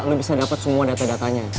lo bisa dapat semua data datanya